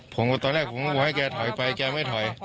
ผมก็ตอนแรกผมก็ให้แกถอยไปแกไม่ถอย